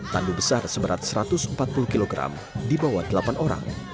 tandu besar seberat satu ratus empat puluh kg di bawah delapan orang